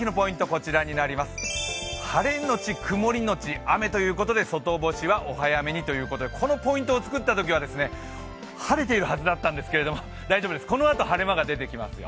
こちらになります、晴れのち曇りのち雨ということで外干しはお早めにということでこのポイントを作ったときは、晴れているはずだったんですけど、大丈夫です、このあと晴れ間が出てきますよ。